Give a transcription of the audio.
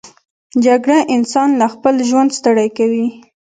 جګړه انسان له خپل ژوند ستړی کوي